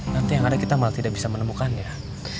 nanti yang ada kita malah tidak bisa menemukannya